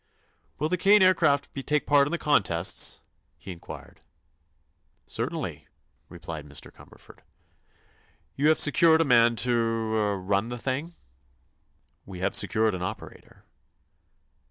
"Will the Kane Aircraft take part in the contests?" he inquired. "Certainly," replied Mr. Cumberford. "You have secured a man to—er—run the thing?" "We have secured an operator."